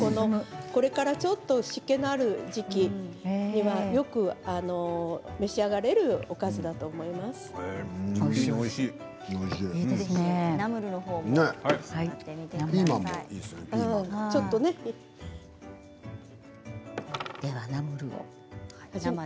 これからちょっと湿気がある時期にはよく召し上がれるおかずだとおいしい、おいしい。